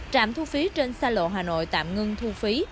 trạm thu phí trên xa lộ hà nội tạm ngưng thu phí